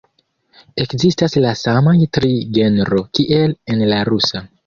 Ekzistas la samaj tri genroj kiel en la rusa.